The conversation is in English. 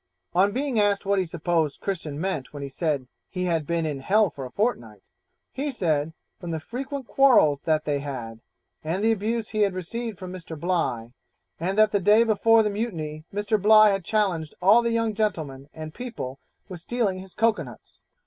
On being asked what he supposed Christian meant when he said he had been in hell for a fortnight? he said, from the frequent quarrels that they had, and the abuse he had received from Mr. Bligh, and that the day before the mutiny Mr. Bligh had challenged all the young gentlemen and people with stealing his cocoa nuts.